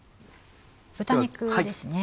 豚肉ですね。